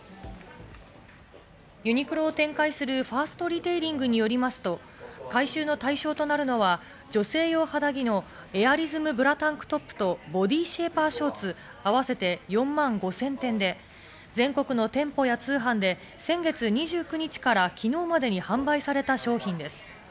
ユニクロを展開するファーストリテイリングによりますと、回収の対象となるのは女性用肌着のエアリズムブラタンクトップとボディシェイパーショーツ、あわせておよそ４万５０００点で、全国の店舗や通販で先月２９日から昨日までに販売された商品です。